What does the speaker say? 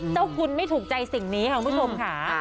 เจ้าคุณไม่ถูกใจสิ่งนี้ค่ะคุณผู้ชมค่ะ